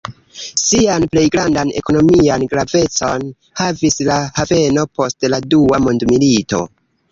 Sian plej grandan ekonomian gravecon havis la haveno post la Dua Mondmilito.